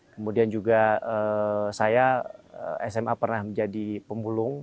kemudian juga saya sma pernah menjadi pemulung